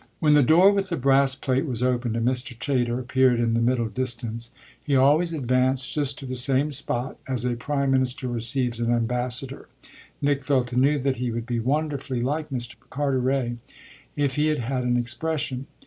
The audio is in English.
When the door with the brass plate was opened and Mr. Chayter appeared in the middle distance he always advanced just to the same spot, as a prime minister receives an ambassador Nick felt anew that he would be wonderfully like Mr. Carteret if he had had an expression.